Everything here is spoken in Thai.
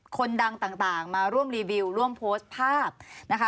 คนดังต่างมาร่วมรีวิวร่วมโพสต์ภาพนะคะ